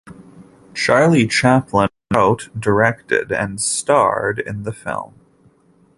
Charlie Chaplin wrote, directed, and starred in the film.